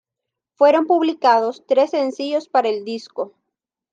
Fueron publicados tres sencillos para el disco.